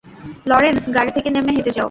Lawrence, গাড়ি থেকে নেমে হেঁটে যাও।